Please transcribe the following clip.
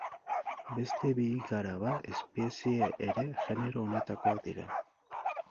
Beste bi igaraba espezie ere genero honetakoak dira.